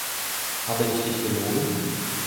Habe ich dich belogen?